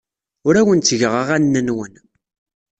Ur awen-ttgeɣ aɣanen-nwen.